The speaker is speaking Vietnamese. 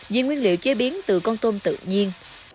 vì nguyên liệu chế biến từ con tôm tự nhiên